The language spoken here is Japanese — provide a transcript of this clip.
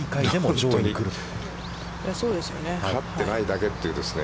勝ってないだけというね。